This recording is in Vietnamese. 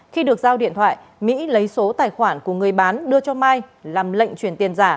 khi được giao điện thoại mỹ lấy số tài khoản của người bán đưa cho mai làm lệnh chuyển tiền giả